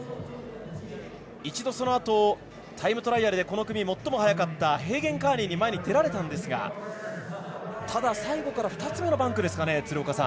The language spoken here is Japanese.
そのあと一度タイムトライアルでこの組最も早かったヘーゲン・カーニーに前に出られたんですがただ、最後から２つ目のバンクですかね。